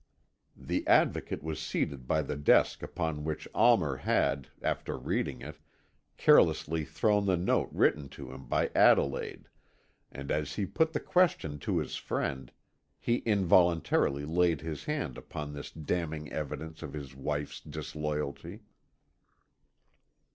The Advocate was seated by the desk upon which Almer had, after reading it, carelessly thrown the note written to him by Adelaide, and as he put the question to his friend, he involuntarily laid his hand upon this damning evidence of his wife's disloyalty.